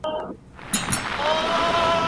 تا وم پوښتلی چې اوس څنګه ښکارم؟